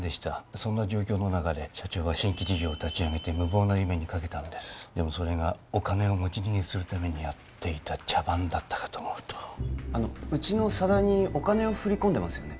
そんな状況の中で社長は新規事業を立ち上げて無謀な夢にかけたんですでもそれがお金を持ち逃げするためにやっていた茶番だったかと思うとあのうちの佐田にお金を振り込んでますよね？